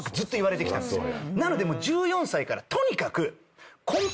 なので１４歳からとにかく。